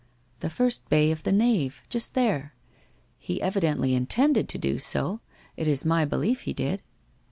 ' The first bay of the nave. Just there ! He evidently intended to do so — it is my belief he did.'